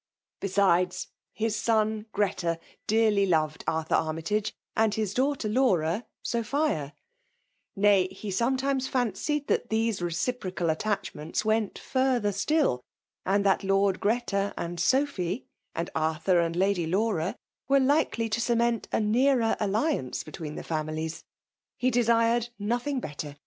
Besides, his son Greta dearly loved Arthur Armytage, and his daughter Laura, Sophia; nay, he sometimes fancied that these reciprocal attachments went fiirther still ; and that Lord Greta an&Sgpby, and Arthur and Lady Laur% ^ere likely to cement a nearer alliance be* tweeQ the families. He desired nothing bet* ter.